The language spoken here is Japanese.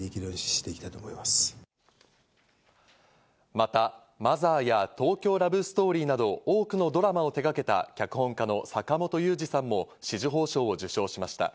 また『Ｍｏｔｈｅｒ』や『東京ラブストーリー』など、多くのドラマを手がけた脚本家と坂元裕二さんも紫綬褒章を受章しました。